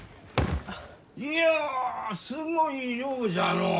いやすごい量じゃのう！